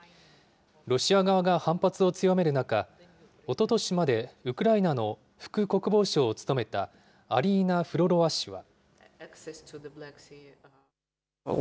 ロシア側が反発を強める中、おととしまでウクライナの副国防相を務めたアリーナ・フロロワ氏は。